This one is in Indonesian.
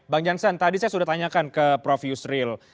bang jansen tadi saya sudah tanyakan ke prof yusril